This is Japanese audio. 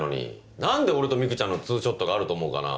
何で俺とミクちゃんのツーショットがあると思うかなぁ。